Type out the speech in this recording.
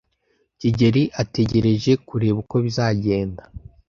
kigeli ategereje kureba uko bizagenda.